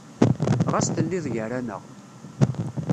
Ɣas telliḍ gar-aneɣ.